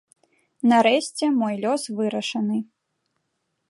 Нарэшце мой лёс вырашаны.